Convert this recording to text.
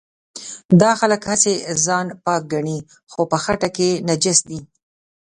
دا خلک هسې ځان پاک ګڼي خو په خټه کې نجس دي.